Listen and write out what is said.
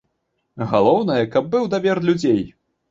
Галоўнае, каб быў давер людзей.